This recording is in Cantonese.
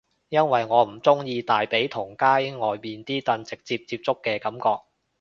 因為我唔鍾意大髀同街外面啲凳直接接觸嘅感覺